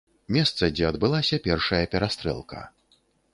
Месца, дзе адбылася першая перастрэлка.